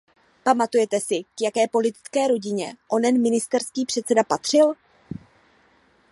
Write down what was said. Pamatujete si, k jaké politické rodině onen ministerský předseda patřil?